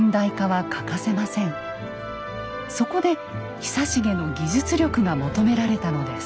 そこで久重の技術力が求められたのです。